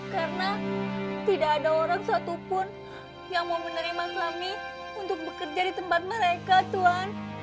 karena tidak ada orang satupun yang mau menerima glami untuk bekerja di tempat mereka tuhan